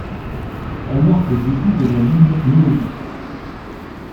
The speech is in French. Elle marque le début de la ligne Minobu.